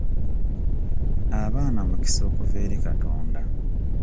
Abaana mukisa okuva eri Katonda.